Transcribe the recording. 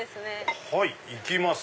はいいきます！